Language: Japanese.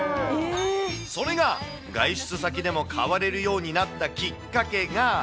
それが、外出先でも買われるようになったきっかけが。